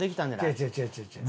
違う違う違う違う違う。